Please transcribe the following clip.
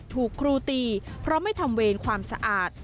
ถูกครูตีเพราะไม่ทำเวรความสะอาด